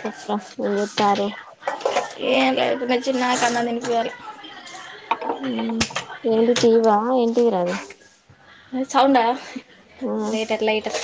చెప్పు ఏం చెస్తున్నారు. ఒకల్ చిన్న పనెన్నె ఎందుకు ఇవ్వాలి ఉమ్ ఏంటి టీవా ఏంటికిరాని సౌండ లైటర్ లైటర్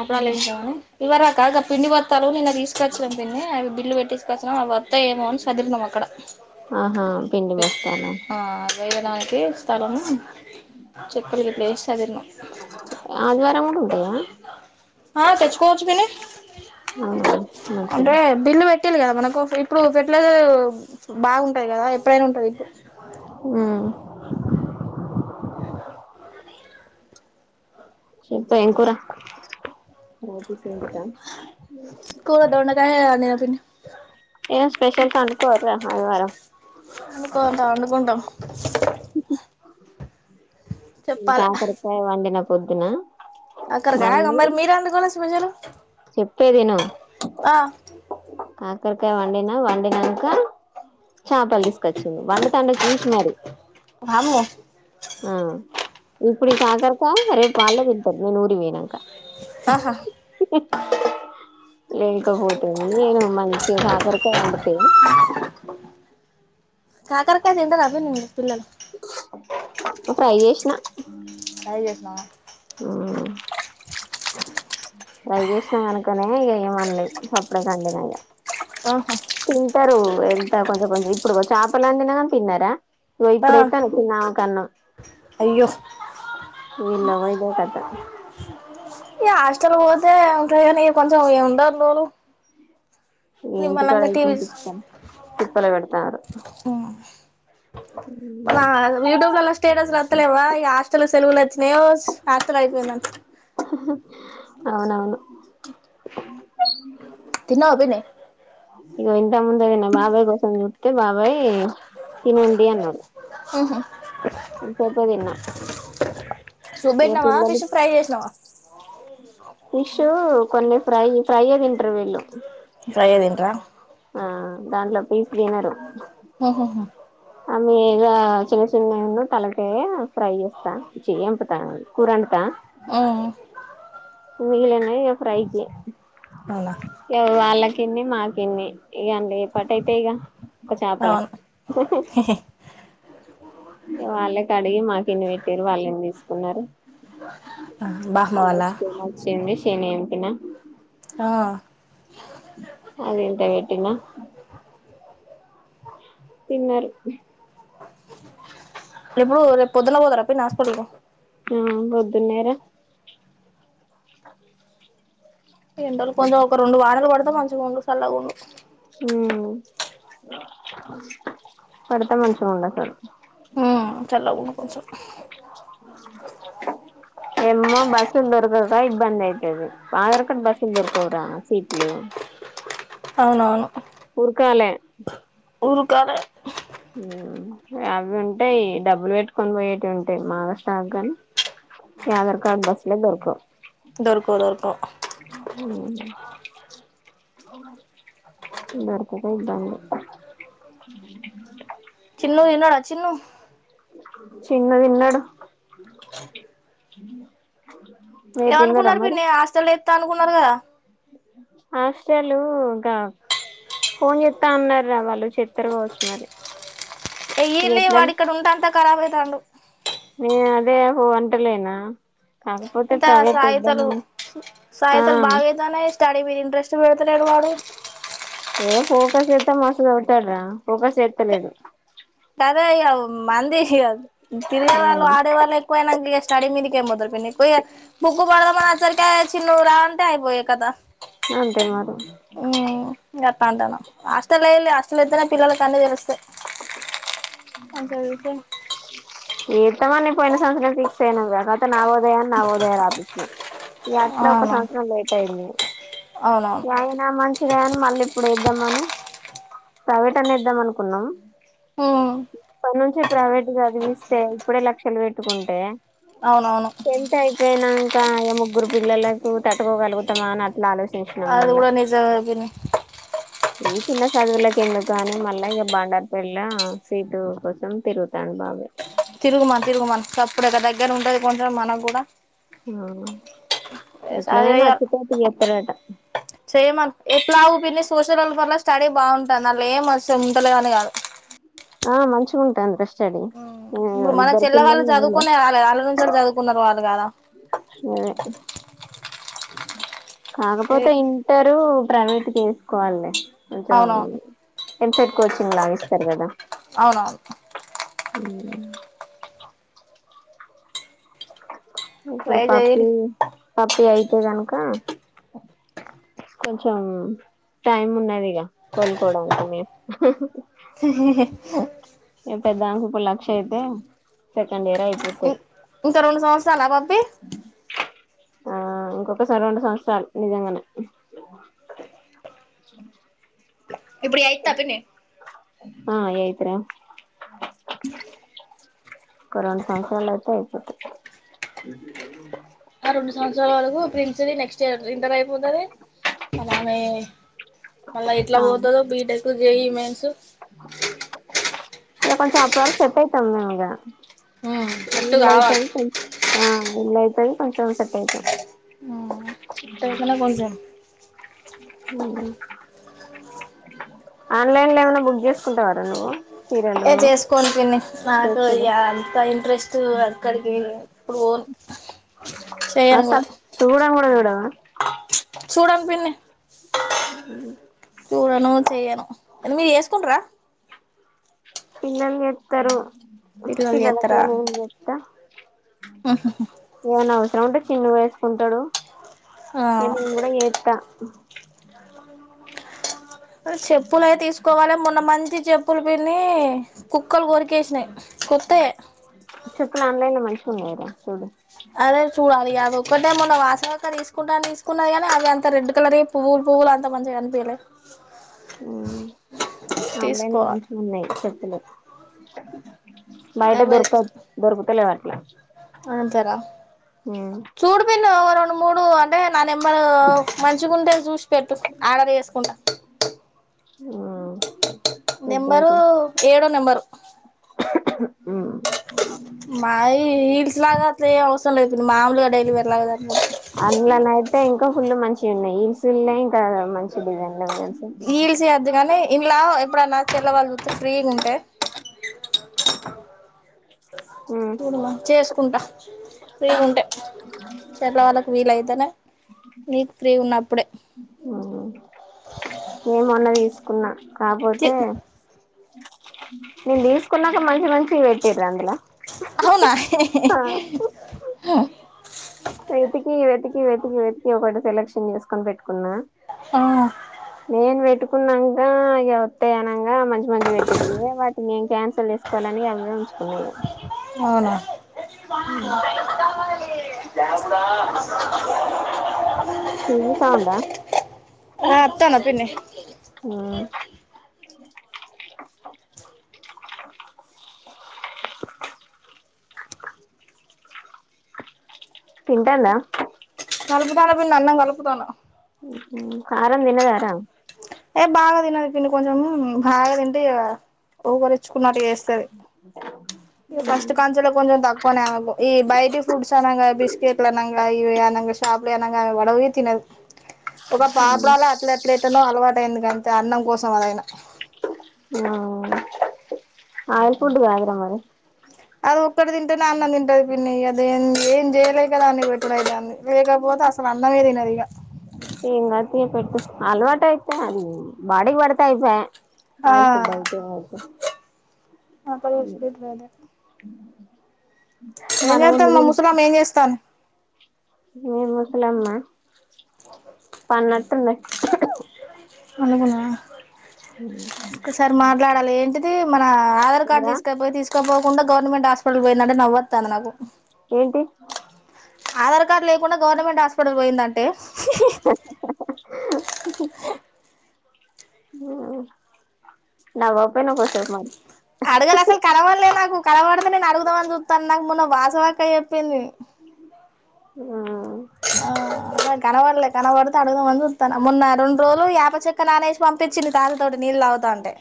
అప్పుడలు ఎంచవ బాగ పిండి [unintelligible] నిన్న తీసుకొచ్చినాం పిన్ని అవి బిల్లు పెట్టి తీసుకొచ్చినాం ఆ వర్తఏమో అని చదురుతున్నాము అక్కడ ఆ ఆ వేయడానికి స్థలము చెక్కలకి [unintelligible] ఆదివారం కూడ ఉంటయా ఆ తెచ్చుకోవచ్చు పిని అవున మంచి పెట్ట కదా మనకు ఇప్పుడు ఫెర్టిలైజర్ బాగుంటాది కదా ఎప్పుడైన ఉంటాది ఉమ్ [unintelligible] ఇకా చె ఎం కూర కూర దొండకాయ వండిన పిన్ని ఏ స్పెషల్ కనుకో ఆదివారం వండుకుంటాం వండుకుంటాం ఇం చెప్పాలి కాకరకాయ్ వండిన పొద్దునా కాకరకాయ మరి మీరు వందుకులేదు స్పెషల్ చెప్పేది ఇను ఆ కాకరకాయ్ వండిన వండినంక చేపలు తీసుకొచ్చింది వండ [unintelligible] చూసి మరి వామ్మో ఆ ఇప్పుడు కాకరకాయ్ రేపు ఆలు గడ్డ ఊరి పోయినాక ఆహా లేకపోతే నేను మంచి కాకరికాయ్ వండితే కాకర్కకాయ తింటాద [unintelligible] పిల్లలు ఫ్రై చేసిన [unintelligible] ఆ స ఫ్రై చేసిన కనకనే ఏమనలే [unintelligible] ఆహా తింటారు ఎంత కొంచెం కొంచెం ఇప్పుడు చేప [unintelligible] కానీ తిన్నారా ఆ [unintelligible] అయ్యో [unintelligible] ఇదే కథ ఈ హాస్టల్ పోతే ఉంటాయి కానీ కొంచెం [unintelligible] ఇంటికాడ నిమల్లంగ [unintelligible] ఇట్నే తిప్పలు తిప్పలు పెడతారు మన యూట్యూబ్ లలో స్టేటస్ వస్తలేవా ఈ హాస్టల్ సెలవున్చ్చినయో [unintelligible] అయిపోయింద [unintelligible] అవునవును తిన్నవ పిన్ని ఇగ ఇంత ముందగానే బాబాయి కోసం చూస్తే బాబయ్ తినండి అన్నాడు ఉహు ఇన్సేపే తిన్నా [unintelligible] ఇగ పెట్టినావా పిల్లలు ఫిష్ ఫ్రై చేసినావ ఫిష్ కొన్ని ఫ్రై ఫ్రై అ తింటరు వీళ్ళు ఫ్రై ఏ తింటారా ఆ దాంట్లో పీస్ తినరు హా హా హా ఆ మీద చిన్న చిన్న యున్ను తలకాయ ఫ్రై చేస్తా ఏంపుతా కూరండుతా ఆ మిగిలినవి ఇగ ఫ్రైకి అవునా ఇగ వాళ్ళకి కిన్ని మాకిన్ని ఇగ అండ్ల ఏపాటి అయితయి ఇగ ఒక చాపల అవును ఇగ వాళ్ళే కడిగి మాకు ఇన్ని వెట్టిర్రు వాళ్ళేం తీసుకున్నారు. బామ్మ అండ్ల వాళ్ళ షని అచ్చింది షన ఎంపినా ఆ అది ఇంత పెట్టినా తిన్నరు ఎప్పుడు రేపు పొద్దున పోతర పిన్ని హాస్పిటల్ కు ఊ పోద్దున్నేర అ ఎండలు కొంచెం ఒక రెండు వారాలు కోడితే మంచిగా ఉండు చల్లగా ఉండు ఉమ్ పడితే మంచిగా ఉండు అసలు సార్ ఉమ్ చల్లగుండు కొంచం ఎమ్మో బస్సులు దొరకదు. రైడ్ బంద్ అయితది ఆధార్ కార్డ్ బస్సులు దొర్కవరా సీట్లు అవునవును ఉరుకాలే ఉరుకాలే ఉమ్ అవి ఉంటాయి డబ్బులు పెట్టుకొని పోయేటివి ఉంటాయి మాగాస్టాక్గాని ఆధార్ కార్డ్ బస్లే దొరకవు. దొరుకవు దొరకవు అవు దొరకోక దాండు చిన్నూ తిన్నాడ చిన్నూ చిన్ను తిన్నాడు. మీరు తిన్నారా ఏవనుకున్నారు మరి పిన్ని హాస్టల్లో ఎత్తా అనుకున్నారు కదా! హాస్టలు గా ఫోన్ చెత్తా అన్నారు రా వాళ్ళు చెత్తారు కావచ్చు మరి ఎయ్యిళ్ళు ఎట్లా వాడు ఇక్కడ ఉంటే అంత ఖరాబ్ అయితాండు. ఉమ్ అదే ఓహో అంటలేనా కాకపోతే అంత ప్రైవేట్ సాయితలు ఏద్దామని సాయితలు ఆ బాగా అయితన్నాయి. స్టడీ మీద ఇంట్రెస్ట్ వేడుతలేడు వాడు ఏ ఫోకస్ ఎత్తే మస్ చవుతాడ రా ఫోకస్ ఎత్తలేడు. అదే ఇగ మంది తిన్న వాళ్ళు ఆడేవాళ్ళు ఎక్కువైనంక ఇగ స్టడీ మీదికేం ఏం పోతరు పిన్ని పోయ్ బుక్ పడదమని వచ్చేసరికి చిన్నూ రా అంటే అయి పోయే కథ అంతే మరి ఉమ్ గట్టంటన్నా హస్ అంత లేదులే హాస్టల్ ఎత్తనే పిల్లలకు అన్ని తెలుస్తాయి. మంచిగా చూసి ఎత్తమని పోయిన సంవత్సరం ఫిక్స్ అయినం తర్వాత నాలుగో వత్తదాని నవోదయా రాపిచ్చినం ఇగ అట్ల ఒక అవునా సంవత్సరం లేట్ అయింది. అవునవును ఇగ ఆగినా మన్ రే అని మళ్ళీ ఇప్పుడు ఏద్దామని ప్రైవేట్ అన్న ఏద్దాం అనుకున్నాము. ఓ.. ప్రైవేట్ చదివిస్తే ఇప్పుడే లక్షలు పెట్టుకుంటే అవునవును టెన్త్ అయిపోయినం ఇంకా ముగ్గురు పిల్లలకు తట్టుకోగలుగుతామా అని అట్లా ఆలోచ అది కూడా నిజామే పిన్ని ఈ చిన్న చదువులకి ఎందుకు కాని మళ్ళా ఇగ బండ వెల్లా సీటు కోసం తిరుగుతాండు బాబాయి తిరుగుమన్ తిరుగుమన్ సప్పుడేక దగ్గర ఉంటది కొంచెం మనకూడా హ్మ్ ఏ సదవేయన్ చేయమను ఎట్లాగు పిన్ని స్ సోషల్ల్ వల్వెర్ ల స్టడీ బాగుంటుంది వాళ్ళు ఏం వచ్చ ఉండలే అని కాదు ఆ మంచిగా ఉంటుంది రా స్టడి ఉమ్ ఇ ఇప్పుడు మన ఇద్దరు చెల్ల వాళ్ళు పిల్లల్ని అందులో చదువుకునే రాలేదు వాళ్ళ నుంచి వాళ్ళు చదువుకున్నారు వాళ్ళు కదా గదే కాకపోతే ఇంటరు ప్రైవేట్ గా వేసుకోవాలి కొంచెం అవునవును ఎంసేట్ కోచింగ్ లాగిస్తారు కదా అవునవును హ్మ్ ఇప్పుడు ట్రై పప్పి చేయాలి పప్పి అయితే గనుక కొంచెం టైం ఉన్నది ఇగ కోలుకోడానికి మేము హే హే హే క్ష అయితే సెకండ్ ఇయర్ అయిపోతది. ఇంకా రెండు సంవత్సరాలా పప్పి ఆ ఇంకొక సర రెండు సంవత్సరాలు నిజంగానే [inaudible] ఇప్పుడి యయితా పిన్ని ఆ యయిత్ రా [inaudible] ఇంకో రెండు సంవత్సరాల అయితే అయిపోతాది ఆ రెండు సంవత్సరాల వరకు ప్రిన్స్ ది నెక్స్ట్ ఇయర్ ఇంటర్ అయిపోతాది కాని ఆమె మళ్ళ ఎట్ల ఆ పోతాదో బీటెక్ జేఈఈ మెయిన్స్ ఇగ కొంచెం అప్పుడు వరకు సెట్ అయితాం మేము ఇగ సెట్టు ఇల్ల కావాలి అయితది కొం ఆ ఇల్ల అయితది కొంచెం సెట్ అయితాం టెన్శానే కొంచెం హ్మ్ ఆన్లైన్ లో ఏమైనా బుక్ చేసుకుంటావారా నువ్వు చీరలు ఏ చేసుకోను పిన్ని నాకు డ్రెస్సులు ఇగ అంత ఇంట్రెస్ట్ అక్కడికి ఇప్పుడు పోను చేయను కూడా అసల్ సుడ కూడా సుడవా సూడను పిన్ని హ్మ్ హు చూడను చెయ్యను మీరు చేసుకుంటరా పిల్లలు చెతరు పిల్లలు చేత్తరా పిల్లలకే నేను చేత్త ఏమన్నా అవసరం ఉంటె చిన్ను చేసుకుంటాడు ఆ ఇగ నేను కూడా చెత్తా చెప్పులు అయి తీసుకోవాలె మొన్న మంచి చెప్పులు పిన్ని కు క్కలు కోరికేసినాయి కొత్తయ్యె చెప్పులు [unintelligible] చూడు అదె చూడాలి ఇగ అది ఒక్కటే మొన్న వాసవి అక్క తీసుకుంటా తీసుకున్నది కానీ అది అం త రెడ్ కలరీయి పువ్వులు పువ్వులు అంత మంచిగా అనిపియలే హ్మ్ ఆన్లైన్ లో తీసుకోవాలి మంచిగా ఉన్నాయి చెప్పులు బయట ఎవరి దొర్క దొరుకతలేవ్ అట్ల తర చూడు పిన్ని ఎవరో మూడు అంటే నా నెంబరు మంచిగుంటే చూసి పెట్టు ఆర్డర్ చేసుకుంటా ఉమ్ చూద్దాం నెంబరు తీ ఏడో నెంబరు ఉమ్ మాయి హీల్స్ లాగా అట్లే అవసరం లేదు మామూలుగా డైలీ వేర్ లాగానీ టె ఇంకా ఫుల్ మంచి ఉన్నాయి హిల్స్ ఉన్నయి ఇంకా మంచి డిజైన్లు హిల్స్ అదు గని ఇంల్ల ఎప్పుడన్నా చెల్ల వాళ్ళు చుతే ఫ్రీగుంటే ఉమ్ నేను వర్క్చేసుకుంటా ఫ్రీగుంటే చెల్ల వాళ్ళకు వీలయితేనే నీకు ఫ్రీ ఉన్నప్పుడే ఉహు నేన్ మొన్న తీసుకున్నా చి కాపోతే నేను తీసుకున్నాక మంచి మంచివి పెట్టిర అందులా ఆ వెతికి వెతికి వెతికి వెతికి ఒకటి సెలక్షన్ చేసుకొని పెట్ కున్నా ఆ నేను పెట్టుకున్నంక ఇగ వత్తాయి అన్ నంగా మంచి మంచి పెట్టిది వాటిని నేన్ క్యాన్సల్ చేసుకోలని అవే ఉంచుకున్నా ఇగ అవునా ఉమ్ దేవుడా టీవీ సౌడ్ ఆ ఆ అత్తన్న పిన్ని ఉమ్ తింటంద కలుపుతాన పిన్ని అన్నం కలుపుతాన కారం తినదారా ఏ బాగా తినది కొంచం బాగా తింటే ఇగ ఓగరి చ్చుకున్నట్టు చేస్తది ఫస్ట్ కంచెలో కొంచెం తక్కువనే అమేకు ఈ బయట్ ఫుట్స్ అనాంగా బిస్కెట్ల అనంగా ఇవి అనంగా షాప్లోవి అనంగా పడవు తినదు ఒక పాప్డలే అట్లా ఎట్లనో అలవాట్ టె ఎందుకంటే అన్నం కోసం అదైనా అయల్ ఫుడ్ కాదుర మరే అదోక్కడ తింటేనే అన్నం తింటది పిన్ని దాన్ని ఏం చేయలేక దాన్ని పెట్టుదైతంది లేకపోతే అసలు అన్నమే తినదిగ అలవాటయితే అది బాడి బడికి పడితే అయిపోయే ఆయిల్ ఫుడ్ ఆ అయితే ఆయితే అక్కడ ఉమ్ చూసుకోట్లేదు ఏం చేస్తాను మా ముసలమ్మ ఏం చేస్తాంద్ మీ ముసలమ్మా పన్నట్టుంది పండుకున్నద ఒక్కసారి మాట్లాడాలి ఏంటిది మన ఆధార్ కార్డు ఏందిరా తీసుకపోయి తీసుకోపో కుండా గవర్నమెంట్ హాస్పిటల్ పోయిందంటే నవ్వోత్తంది నాకు ఏంటి ఆధార్ కార్డు లేకుండా గవర్నమెంట్ హాస్పిటల్ పోయిందంటే ఉమ్ నవ్వ పోయినవ్ కొద్దిసేపు అడగదు అసలు కనాపడలేదు నాకు కనపడితే నేను అడుగుదా అని చుత్తన్నా నాకు మొన్న వాసవి అక్క పెంది అ కనపడలే కనబడితే అడుగుదామని చూస్తాన్న మొన్న రెండు రోజులు యాప చెక్క నానేసి పంపించింది తాతతోటి నీళ్ళు తగుతంటే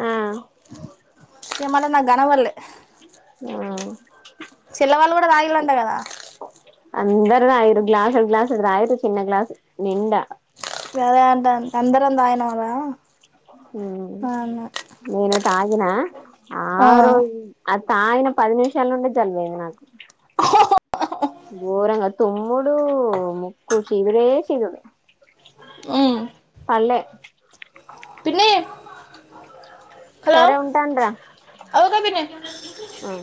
ఆ ఏమో నండి నాకు కనపడలే ఆ చిల్ల వాళ్ళు కూడా తాగిలంట కదా అందర తాగిర్రు గ్లాస్ గ్లాస్ అ ఆయదు చిన్న గ్లాస్ నిండా అదే అంటాంది అందరం తగినామ ఊ నేను తాగిన ఆ ఆరు తాగిన పది నిమిషాల నుండే జలుబు అయింది నాకు ఆహాహా గోరంగా తుమ్ముడు ముక్కు చీదుడే చీదుడు పల్లె పిన్నీ హలో సరే ఉంటాను అదొక పిన్ని రా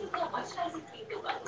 ఇ మష